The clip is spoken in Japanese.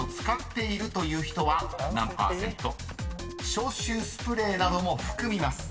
［消臭スプレーなども含みます］